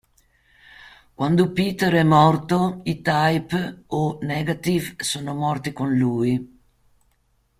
Quando Peter è morto, i Type O Negative sono morti con lui.